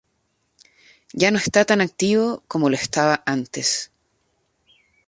Ya no está tan activo como lo estaba antes.